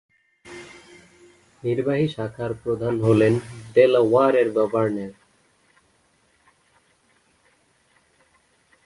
নির্বাহী শাখার প্রধান হলেন ডেলাওয়্যারের গভর্নর।